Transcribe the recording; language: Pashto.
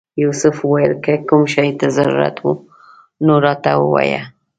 یوسف وویل که کوم شي ته ضرورت و نو راته ووایه.